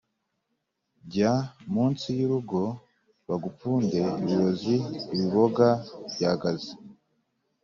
Jya munsi y'urugo bagupfunde ibirozi-Ibiboga byagaze.